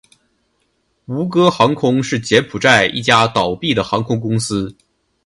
吴哥航空是柬埔寨一家倒闭的航空公司。